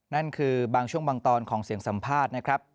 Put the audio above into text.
นั่นคือบางช่วงบางตอนของเสียงสัมภาษณ์นะครับ